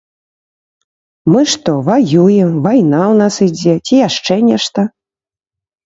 Мы што, ваюем, вайна ў нас ідзе ці яшчэ нешта?